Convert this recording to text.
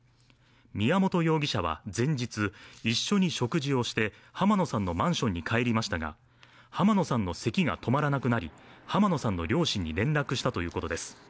宮本容疑者は前日、一緒に食事をして濱野さんのマンションに帰りましたが濱野さんのせきが止まらなくなり濱野さんの両親に連絡したということです。